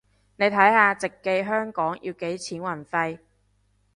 你睇下直寄香港要幾錢運費